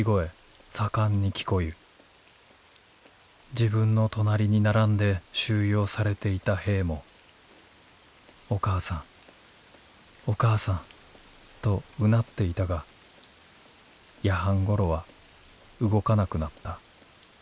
自分の隣に並んで収容されていた兵も『お母さんお母さん』とうなっていたが夜半ごろは動かなくなった。